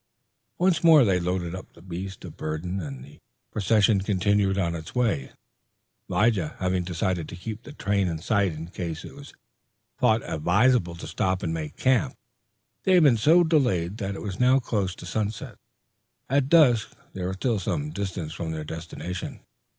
Once more they loaded up the beast of burden and the procession continued on its way, Lige having decided to keep the train in sight in case it was thought advisable to stop and make camp. They had been so delayed that it was now close to sunset. At dusk they were still some distance from their destination.